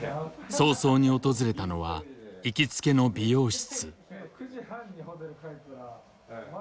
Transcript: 早々に訪れたのは行きつけの美容室。